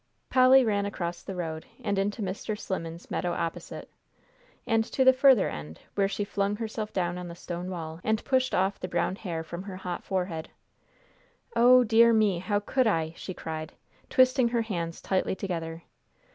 Polly ran across the road, and into Mr. Slimmen's meadow opposite, and to the further end, where she flung herself down on the stone wall, and pushed off the brown hair from her hot forehead. "O dear me, how could I!" she cried, twisting her hands tightly together.